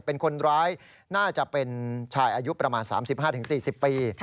เป็นคนร้ายน่าจะเป็นชายอายุประมาณ๓๕๔๐ปี